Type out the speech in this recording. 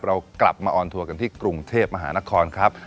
เรากลับมาออนทัวร์กันที่กรุงเทพมหานครครับ